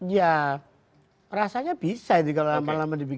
ya rasanya bisa itu kalau lama lama dibikin